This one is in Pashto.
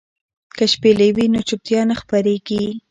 که شپېلۍ وي نو چوپتیا نه خپریږي.